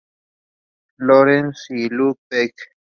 Lorenz en Lübeck.